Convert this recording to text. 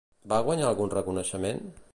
Va guanyar algun reconeixement?